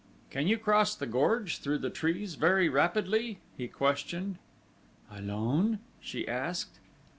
"Can you cross the gorge through the trees very rapidly?" he questioned. "Alone?" she asked.